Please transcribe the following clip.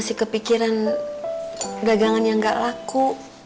masih kepikiran dagangan yang gak laku